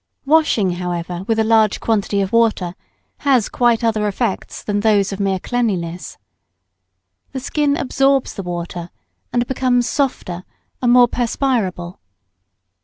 Washing, however, with a large quantity of water has quite other effects than those of mere cleanliness. The skin absorbs the water and becomes softer and more perspirable.